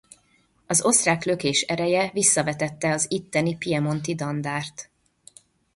A osztrák lökés ereje visszavetette az itteni piemonti dandárt.